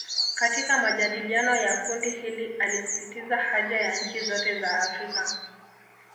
Katika majadiliano ya kundi hili alisisitiza haja ya nchi zote za Afrika